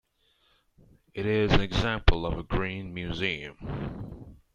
It is an example of a green museum.